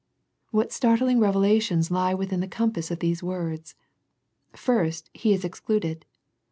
What startling revelations lie within the compass of these words. First, He is excluded.